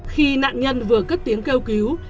khi nạn nhân vừa cất tiếng kêu cứu